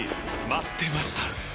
待ってました！